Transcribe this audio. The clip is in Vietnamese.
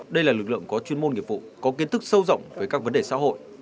đây là lực lượng có chuyên môn nghiệp vụ có kiến thức sâu rộng về các vấn đề xã hội